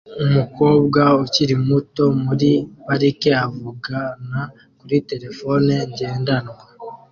Umukobwa ukiri muto muri parike avugana kuri terefone ngendanwa